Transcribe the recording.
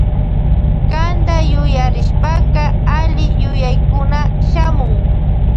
Kanta yuyarishpaka alli yuyaykuna shamun.